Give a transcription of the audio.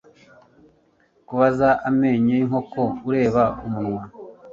kubaza amenyo y'inkoko ureba umunwa